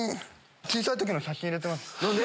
小さい時の写真入れてます。